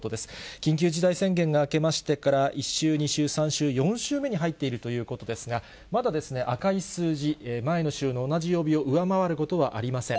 緊急事態宣言が明けましてから１週、２週、３週、４週目に入っているということですが、まだ赤い数字、前の週の同じ曜日を上回ることはありません。